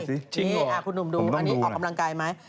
จริงเหรอผมต้องดูนะออกกำลังกายไหมคุณหนูดูอันนี้ออกกำลังกายไหม